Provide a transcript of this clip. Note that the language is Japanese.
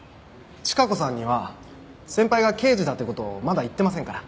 チカ子さんには先輩が刑事だって事まだ言ってませんから。